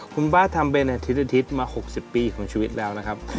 คุณป้าทำเป็นอาทิตย์มา๖๐ปีของชีวิตแล้วนะครับ